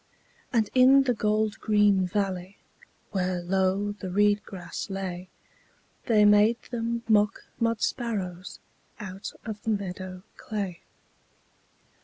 And in the gold green valley, Where low the reed grass lay, They made them mock mud sparrows Out of the meadow clay.